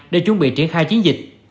để chuẩn bị triển khai chiến dịch